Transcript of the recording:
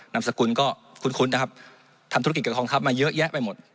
นามสกุลก็คุ้นนะครับทำธุรกิจกับกองทัพมาเยอะแยะไปหมด